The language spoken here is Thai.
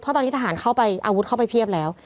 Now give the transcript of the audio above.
ตอนนี้ทหารเข้าไปอาวุธเข้าไปเพียบแล้ว